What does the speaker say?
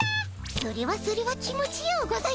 それはそれは気持ちようございますよ。